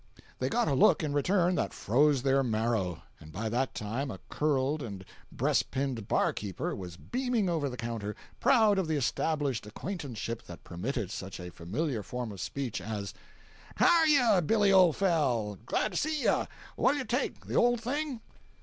They got a look in return that froze their marrow, and by that time a curled and breast pinned bar keeper was beaming over the counter, proud of the established acquaintanceship that permitted such a familiar form of speech as: "How're ye, Billy, old fel? Glad to see you. What'll you take—the old thing?"